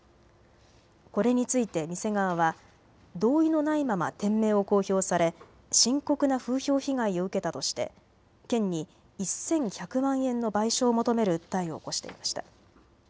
これについて店側は同意のないまま店名を公表され深刻な風評被害を受けたとして県に１１００万円の賠償を求める訴えを起こしていました。